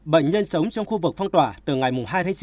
bệnh nhân sống trong khu vực phong tỏa từ ngày hai tháng chín